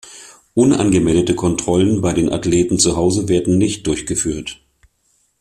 Unangemeldete Kontrollen bei den Athleten zu Hause werden nicht durchgeführt.